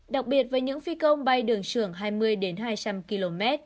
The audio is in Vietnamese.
đặc biệt với những phi công bay đường trường hai mươi hai trăm linh km